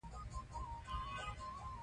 افغانستان د د ریګ دښتې له امله شهرت لري.